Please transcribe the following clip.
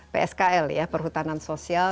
pskl ya perhutanan sosial